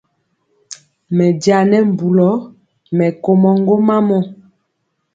Mɛ njaŋ nɛ mbulɔ, mɛ komɔ ŋgomam.